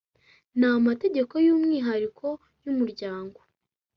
N amategeko y umwihariko y umuryango